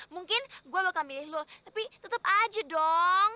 mungkin gue bakal milih lo tapi tetap aja dong